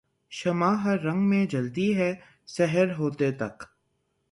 شمع ہر رنگ میں جلتی ہے سحر ہوتے تک